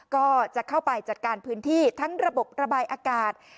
ก็จะเข้าไปจัดการพื้นที่ทั้งระบบระบายอากาศ